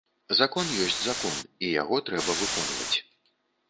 Закон ёсць закон, і яго трэба выконваць.